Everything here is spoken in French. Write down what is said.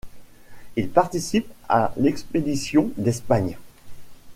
Il participe à l'Expédition d'Espagne.